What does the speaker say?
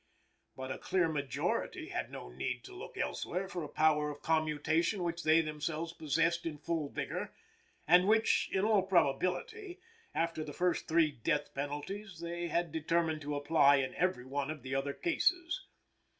But a clear majority had no need to look elsewhere for a power of commutation which they themselves possessed in full vigor, and which, in all probability, after the first three death penalties, they had determined to apply in every one of the other cases.